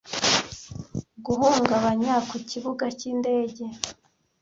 guhungabanya ku kibuga cyindege